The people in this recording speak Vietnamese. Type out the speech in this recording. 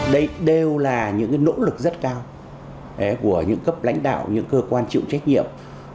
đây đều là những nỗ lực rất cao của những cấp lãnh đạo những cơ quan chịu trách nhiệm